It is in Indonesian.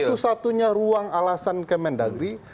satu satunya ruang alasan kemendagri